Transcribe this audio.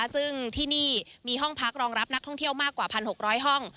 ซึ่งที่นี่มีห้องพักรองรับนักท่องเที่ยวมากกว่า๑๖๐๐ห้อง